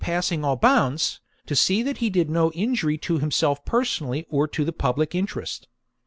c. passing all bounds, to see that he did no injury to himself personally or to the public interest.